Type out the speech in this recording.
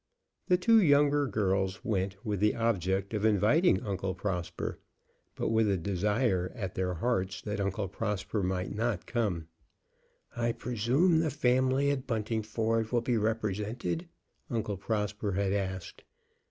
The two younger girls went with the object of inviting Uncle Prosper, but with a desire at their hearts that Uncle Prosper might not come. "I presume the family at Buntingford will be represented?" Uncle Prosper had asked.